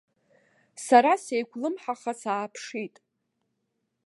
Сара сеиқәлымҳаха сааԥшит.